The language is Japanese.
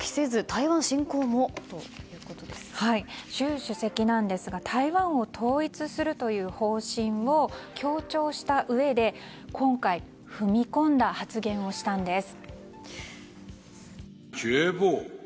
習主席なんですが台湾を統一するという方針を強調したうえで、今回踏み込んだ発言をしたんです。